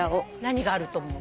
何があると思う？